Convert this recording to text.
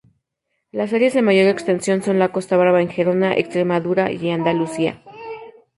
Las áreas de mayor extensión son la Costa Brava en Gerona, Extremadura y Andalucía.